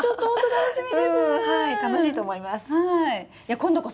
はい楽しいと思います。